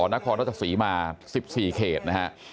นครราชสีมา๑๔เขตนะฮะ